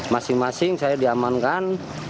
masing masing saya diamankan